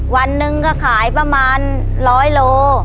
วันหนึ่งก็ขายประมาณ๑๐๐โล